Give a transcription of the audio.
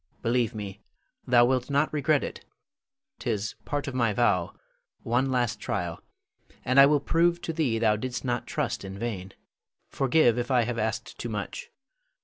Believe me, thou wilt not regret it, 'tis part of my vow; one last trial, and I will prove to thee thou didst not trust in vain. Forgive if I have asked too much.